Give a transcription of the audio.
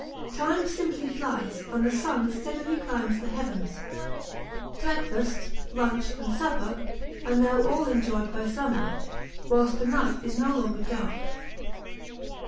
Time simply flies and the sun steadily climbs the heavens. Breakfast, lunch, and supper are now all enjoyed by sunlight, whilst the night is no longer dark.